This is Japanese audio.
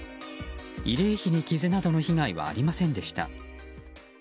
慰霊碑に傷などの被害はありませんでした。